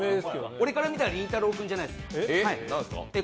俺から見たらりんたろー君じゃないです。